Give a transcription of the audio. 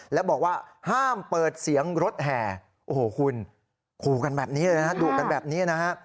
แล้วบอกว่าห้ามเปิดเสียงรถแห่โอ้โหคุณขู่กันแบบนี้เลยนะฮะดุกันแบบนี้นะฮะ